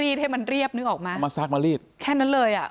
ให้มันเรียบนึกออกมามาซักมารีดแค่นั้นเลยอ่ะ